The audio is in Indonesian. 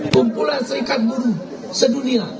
kumpulan serikat buruh sedunia